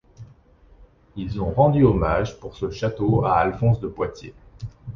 Ils ont rendus hommage pour ce château à Alphonse de Poitiers.